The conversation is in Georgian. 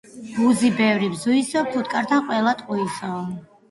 ბუზი ბევრი ბზუისო ფუტკართან ყველა ტყუის